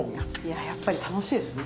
やっぱり楽しいですね。